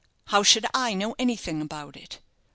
"How should I know anything about it?"